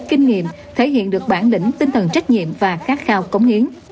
kinh nghiệm thể hiện được bản lĩnh tinh thần trách nhiệm và khả năng